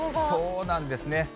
そうなんですね。